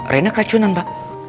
rina keracunan pak